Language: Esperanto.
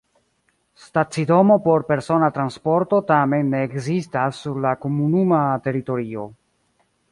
Stacidomo por persona transporto tamen ne ekzistas sur la komunuma teritorio.